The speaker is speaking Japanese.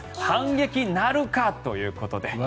反撃なるかということで。